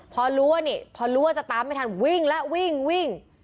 พอรู้ว่าเนี่ยพอรู้ว่าจะตามไม่ทันวิ่งละวิ่ง